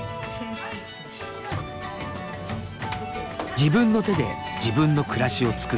自分の手で自分の暮らしを作る。